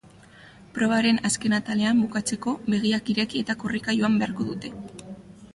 Probaren azken atalean, bukatzeko, begiak ireki eta korrika joan beharko dute.